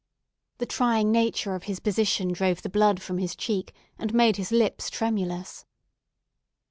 The trying nature of his position drove the blood from his cheek, and made his lips tremulous.